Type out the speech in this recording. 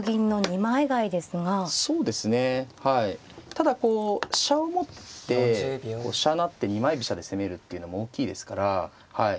ただこう飛車を持って飛車成って二枚飛車で攻めるっていうのも大きいですからはい。